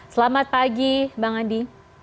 selamat pagi bang adi